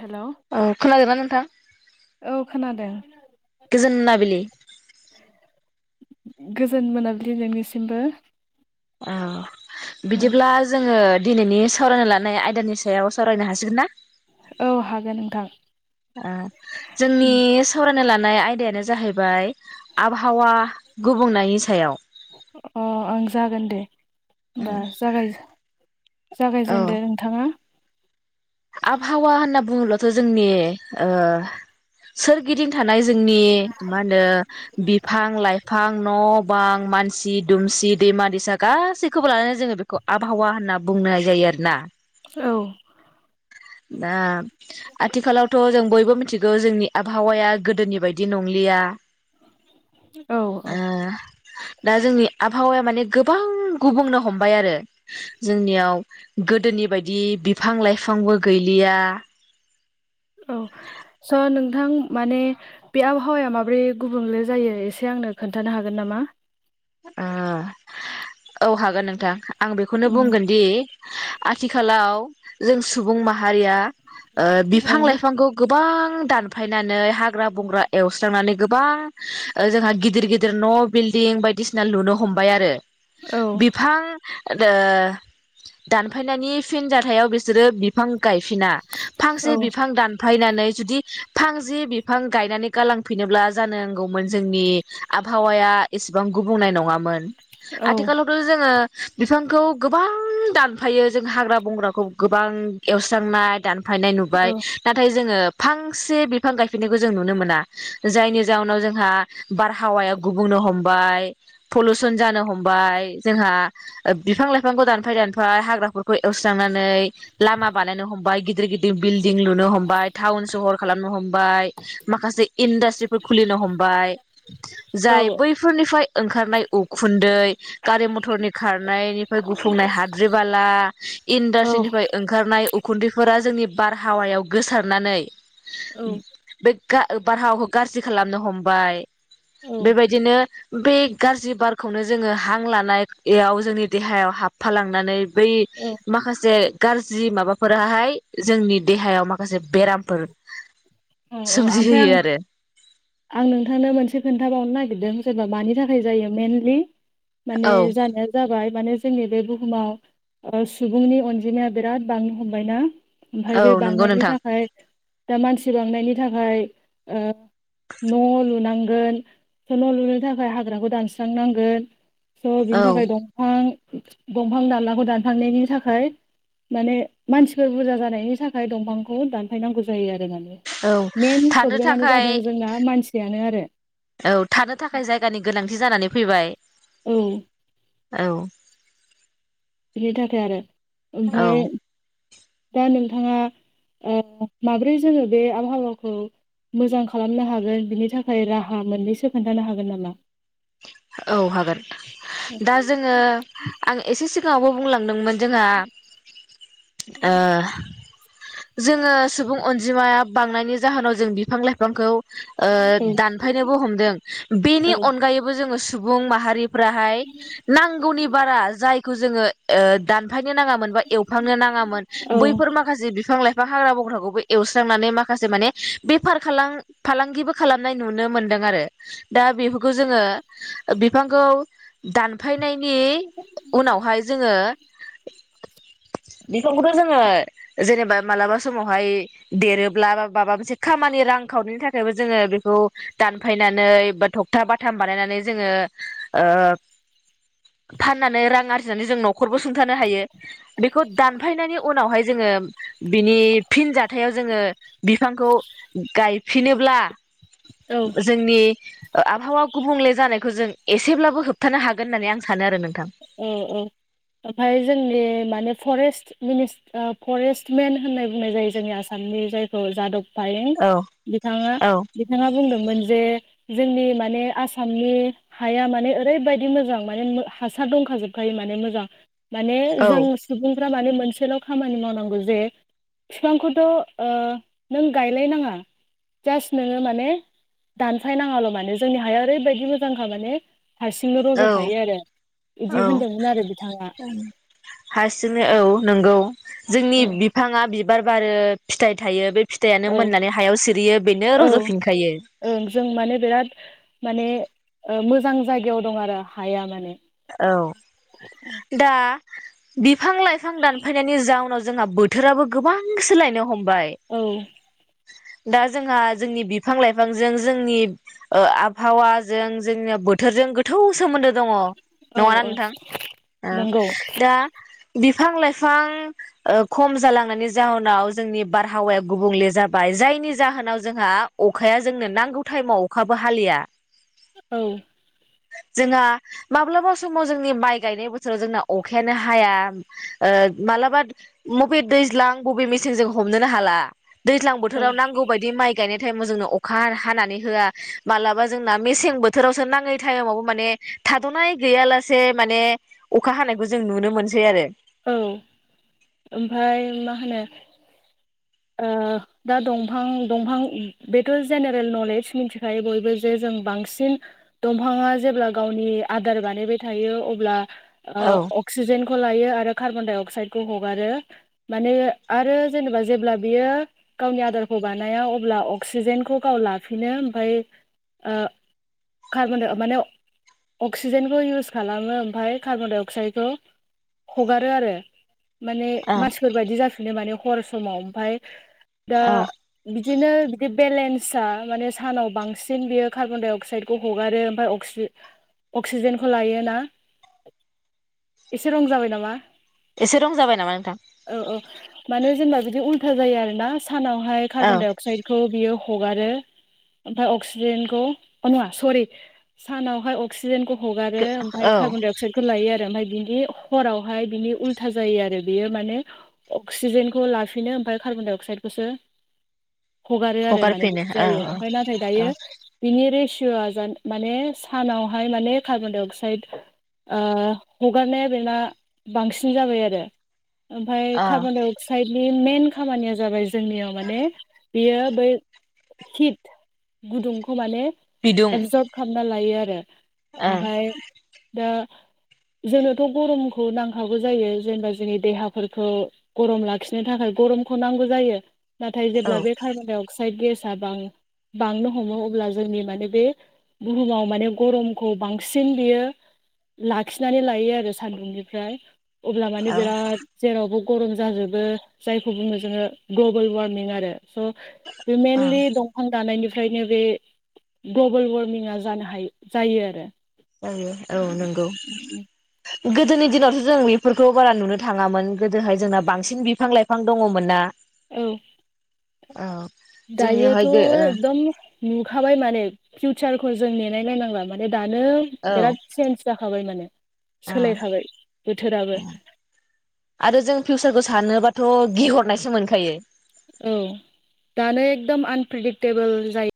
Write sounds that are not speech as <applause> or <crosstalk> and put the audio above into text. Hello औ खोनागादों नोंथां। औ खोनादों। गोजोन मोनाबिलि <unintelligible> गोजोन मोनाबिलि नोंनिसिमबो औ बिदिब्ला जोङो दिनैनि सावरायनो लानाय आयदानि सायाव सावरायनो हासिगोन ना? औ हागोन नोंथां जोंनि सा खनो लानाय आयदायानो जाहैबाय आबहावा गुबुंनायनि सायाव। अ आं जागोन दे। होमबा जागाय औ जागायजेनदो नोंथाङा। आबहावा होनना बुङोब्लाथ' जोंनि ओ सोरगिदिं थानाय जोंनि मा होनो बिफां लाइफां न' बां मानसि दुमसि दैमा दैसा गासैखौबो लानानै जोङो बेखौ आबहावा होनना बुंनाय जायो आरो ना। औ। दा आथिखालावथ' जों बयबो मिथिगौ जोंनि आबहावाया गोदोनि बायदि नङलि औ औ दा ओ जोंनि आबहावाया माने गोबां गुबनो हमबाय आरो जोंनियाव गोदोनि बायदि बिफां - लाइ बिफांबो गैलिया औ। स' नोंथां माने बे आबहावाया माब्रै गुबुंले जायो एसे आंनो खोन्थानो हागोन नामा? ामा <inaudible> औ हागोन नोंथां आं बेखौनो बुंगोन दि आथिखालाव जों सुबुं माहारिया बिफां- औ लाइफांखौ बा दानफायनानै हाग्रा बंग्रा एवस्रांनानै गोबां जोंहा गिदिर गिदिर न' बिल्डिं ं बायदिसिना लुनो हमबाय आरो औ बिफां दानफायनायनि फिन जाथायाव बिसोरो बिफां गायफिना औ फांसे बिफां दानफायनानै जुदि बिफां जि बिफां गायनानै गालांफैनोब्ला जानो नांगौमोन जोंनि आबहावाया एसेबां गुब बुंनाय नङान औ आथिखालावथ' जो बिसेबांखौ गोबां दानफायो जों हाग्रा बंग्राखौ गोबां एवस्रांनाय दान फायनाय औ नुबाय नाथाय जोङो फांसे बिफां गायफिननायखौ जों नुनो मोना जायनि जउनाव जोंहा बारहावाया गुबुन हमबाय पलुसन जानो हमबाय जोंहा बिफां लाइफांखौ दानफाय दानफाय हाग्राफोरखौ स्रांनानै लामा बानायनो हमबाय गिदिर गिदिर बिलडिं लुनो हमबाय टाउन सहर खालामनो हमबाय। बाय माखासे इनदास खुलिनो हमबाय जाय बैफोरनिफ्राय ओंखारनाय उखुन्दै गारि मथरनि खारनायनिफ्राय गुफुंनाय हाद्रि बाला औ इन्डासट्रिनिफ्राय ओंखारनाय उखुन्दैफोरा जोंनि बारहावायाव गोसारनानै औ बे बारहावखौ गाज्रि खालामनो हमबाय औ बेबायदिनो बे गाज्रि बारखौनो जोङो हां लानायाव जोंनि देहायाव हाबफालांनानै बै माखासे गाज्रि माबाफोराहाय जोंनि देहायाव माखासे बेरामफोर औ औ ओमफ्राय सोमजिहोयो आं आरो आं नोंथांनो मोनसे खोन्थाबावनो नागिरदों। सोरबा मानि थाखाय जायो मइेनलि माने औ जानाया जाबाय। माने जोंनि बे बुहुमाव सुबुंनि अनजिमाया बिराद बांनो हमबायना ओमफ्राय औ बे नंगौ बांनायनि नोंथां थाखाय दा मानसि बेनि थाखाय न' लुनांगोन न' लुनो थाखाय हाग्राखौ दानस्रांनांगोन। स' बिनि औ थाखाय दंफां दंफां दानलाखौ दानखांनायनि थाखाय। माने मानसिफोर बुरजा जानायनि थाखाय दंफांखौ दानफायनांगौ जायो आरो माने औ मन थानो प्रब्लेमानो थाखाय जादों जोंना मानसियानो आरो औ थानो थाखाय जायगानि गोनांथि जानानै फैबाय। औ औ। बिनि थाखाय आरो औ ओमफफ्राय दा नोंथाङा माब्रै जोङो बे आबहावाखौ मोजां खालामनो हागोन बिनि थाखाय राहा मोननैसो खोन्थानो हागोन नामा? औ हागोन दा जोङो आं एसे सिगाङावबो बुंलांदोंमोन जोंहा ओ जोङो सुबुं अनजिमाया बांनायनि जाहोनाव जों बिफां लाइफांखौ ओ औ दानफायनोबो हमदों बेनि औ अनगायैबो जोङो सुबुं माहारि फ्राहाय नांगौनि बारा जायखौ जोङो ओ दानफायनो नाङामोन बा एवफांनो ना ङामोन बैफोर औ माखासे बि फां लाइफां हाग्रा बंग्राखौबो एवस्रांनानै माखासे माने बेफार खालां फालांगिबो खालामनाय नुनो मोनदों आरो दा बेफोरखौ जोङो बिफांखौ दानफायनाय नि उनावहाय जोङो बिखंखौथ' जोङो जेनेबा मालाबा समावहाय देरोब्ला माबा मोनसे खामानि रां खावनायनि थाखायबो जोङो बेखौ दानफायनानै बा थखथा बाथाम बानायनानै जोङो ओ फाननानै रां आरजिनानै जों न'खरबो सुंथानो हायो बेखौ दानफायनायनि उनावहाय जोङो <unintelligible> बिनि फिन जाथायाव जोङो बिफांखौ गायफिनोब्ला जोंनि ओ आबहावा गुबुंले जानायखौ जों एसेब्लाबो होबथानो हागोन होननानै आं सानो आरो नों औ औ ओमफ्राय जोंनि माने फरेस्ट मिनिस फरेस्टमेन होननाय बुंनाय जायो जोंनि आसामनि जायखौ जादब थायें औ बिथाङा औ बिथाङा बुंदोंमोन जे जोंनि माने आसामनि हाया माने ओरैबायादि मोजां माने हा खा दंखा जोबखायो माने मोजां माने जों सुबुं फ्रा माने मोनसेल' खामानि मावनांगौ जे बिफांखौथ' ओ नों गायलायनाङा जास्ट नोङो माने दानफायनाङाल' माने जोंनि हाया ओरैबायदि मोजांखा माने हारसिंनो औ रज'खायो आरो इदि औ होनदोंमोन आरो बिथाङा हारसिंनो औ नंगौ जोंनि बिफाङा बिबार बारो फिथाइ थायो बे फिथायानो औ मोननानै हायाव सिरियो बेनो औ रज'फिनखायो ओं जों माने बिराद माने मोजां जायगायाव दं आरो हाया माने औ दा बिफां लाइफां दानफायनायनि जाउनाव जोंहा बोथोराबो गोबां सोलायनो हमो औ दा जोंहा जोंनि बिफां लाइफांजों जोंनि ओ आबहावाजों जोंनिया बोथोरजों गोथौ सोमोन्दो दङ औ नङाना औ नोंथां ओं नंगौ दा बिफां लाइफां खम जालांनायनि जाहोनाव जोंनि बारहावाया गुबुंले जाबाय जायनि जाहोनाव जोंहा अखाया जोंनो नांगौ टाइमाव अखाबो हालिया औ जोंहा माब्लाबा समाव जोंनि माइ गायनाय बोथोराव जोंना अखायानो हाया मालाबा मबे दै दैजां बबे मेसेन जजों हमोननो हाला दैज्लां औ बोथोराव नांगौ बायदि माइ गायनाय टाइमाव जोंनो अखा हानानै होआ मालाबा जोंना मेसें बोथोरावसो नाङै टाइमावबो माने थाद'नाय गैयालासे माने अखा हानायखौ जों नुनो मोनसै आरो औ ओमफ्राय मा होनो ओ दा दंफां दंफां बेथ' जेनेरेल नलेज मिथिखायो बयबो जे जों जों बांसिन दंफाङा जेब्ला गावनि आदार बानायबाय थायो अब्ला औ ओ अक्सिजेनखौ लायो आरो कार्बनडाइ अक्साइडखौ हागारो मानो आरो जेनेबा जेब्ला बियो गावनि आदारखौ बानाया अब्ला अक्सिजेनखौ गाव लाफिनो ओमफ्राय ओ कारबनडाइ माने अक्सिजेनखौ इउस खालामो ओमफ्राय कार्बन डाइ अक्साइदखौ हगारो आरो माने औ मानसिफोरबायायदि जाफिनो माने हर समाव ओमफाय दा औ बिदिनो बिदि बेलेन्सा माने सानाव बांसिन बियो कार्बन डाइ अक्साइदखौ हगारो ओमफ्राय अक्सिज अक्सिजेनखौ लायो ना एसे रं जाबाय नामा? एसे रं जाबाय नामा नोंथां औ औ माने जेनेबा जुदि उल्था जायो आरोना सानावहाय कार्बन औ डाइ अक्साइदखौ बियो हारो मफ्राय अक्सिजेनखौा सरि सानावहाय अक्सिज हगारो ओमफ्राय औ कार्बन डाइ अक्साइडखौ लायो आरो ओमफ्राय बिनि हरावहाय बिनि उल्था जायो आरो बेयो माने अक्सिजेनखौ लाफिनो ओमफ्राय कार्बन डाइ अक्साइदखौसो हगारो आरो माने हगारफिनो बिदि औ जायो ओमफ्राय औ नाथाय दायो औ बिनि रे माने सानावहाय माने कार्बन डाइ अक्साइद हगारनाया बेना बांसिन जाबाय आरो। ओमफ्राय औ कार्बन डाइ अक्साइडनि मेन खामानिया जाबाय जोंनियाव माने बियो बै हित गुदुंखौ माने बिदुं एबजर्ब खालामना लायो आरो ओं ओमफाय दा <inaudible> जोंनोथ' गरमखौ नांखाबौ जायो जेनेबा जोंनि देहाफोरखौ गरम लाखिनो थाखाय गरम बखनांगौ जायो नाथाय औ जेब्ला बे कार्बनडाइ अक्साइड गेस बां बांनो हमो अब्ला जोंनि माने बे बुहुमाव माने गरमखौ बांसिन बियो लाखिनानै लायो आरो सान्दुंनिफ्राय अब्ला माने औ बिराद जेरावबो गरम जाजोबो जाय खौ बुङो जों ग्लबोल वार्मिं आरो स औ मेनलि दंफां दान्नायनि फ्राय ओंखायनो बे ग्लबेल वारमिंआ जानो ह जायो आरो। औ औ नंगौ गोदोनि दिनावथ' जों बेफोरखौ बारा नुनो थाङामोन गोदोहाय जोंना बांसिन बिफां लाइफां दङमोन ना? औ औ दायोथ' जोंनियावहाय गो औ एकदम नुखाबाय माने फिउचारखौ जों नेनायलनायनांला माने दानो बिराद चेन्ज जाखाबाय माने अ सोलायखाबाय बोथोराबो आरो जों फिउसारखौ सानोबाथ' गिहरनायसो मोनखायो। औ दानो एकदम आनप्रिेदिक्टेबोल जायो।